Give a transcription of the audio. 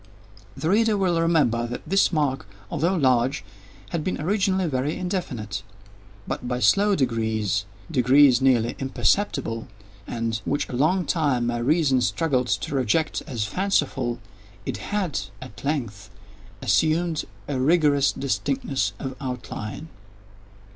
The reader will remember that this mark, although large, had been originally very indefinite; but, by slow degrees—degrees nearly imperceptible, and which for a long time my reason struggled to reject as fanciful—it had, at length, assumed a rigorous distinctness of outline.